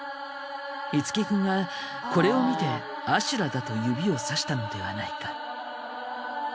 樹君はこれを見て阿修羅だと指をさしたのではないか？